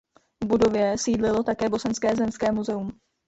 V budově sídlilo také bosenské Zemské muzeum.